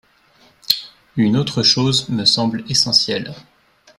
Une autre chose me semble essentielle.